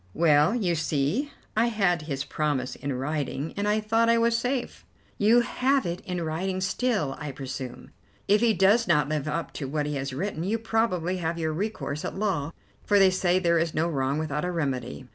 "Well, you see, I had his promise in writing, and I thought I was safe." "You have it in writing still, I presume. If he does not live up to what he has written, you probably have your recourse at law, for they say there is no wrong without a remedy."